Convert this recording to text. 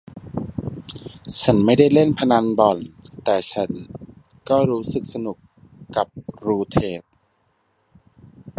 ฉันไม่ได้เล่นพนันบ่อนแต่ฉันก็รู้สึกสนุกกับรูเรทท์